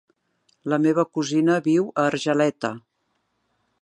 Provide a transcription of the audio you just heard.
La meva cosina viu a Argeleta.